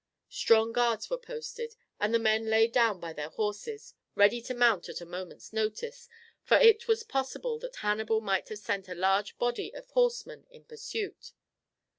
Strong guards were posted, and the men lay down by their horses, ready to mount at a moment's notice, for it was possible that Hannibal might have sent a large body of horsemen in pursuit.